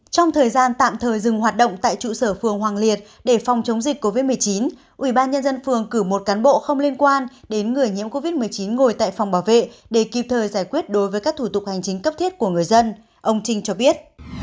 trong thời gian tạm thời dừng hoạt động tại trụ sở phường hoàng liệt để phòng chống dịch covid một mươi chín ubnd phường cử một cán bộ không liên quan đến người nhiễm covid một mươi chín ngồi tại phòng bảo vệ để kịp thời giải quyết đối với các thủ tục hành chính cấp thiết của người dân ông trinh cho biết